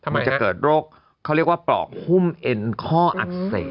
มันจะเกิดโรคเขาเรียกว่าปลอกหุ้มเอ็นข้ออักเสบ